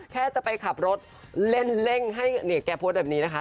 แค่จะไปขับรถเล่นให้เนี่ยแกโพสต์แบบนี้นะคะ